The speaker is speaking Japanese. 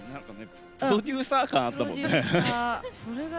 プロデューサー感あったもんね。